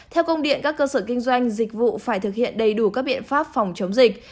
theo công điện các cơ sở kinh doanh dịch vụ phải thực hiện đầy đủ các biện pháp phòng chống dịch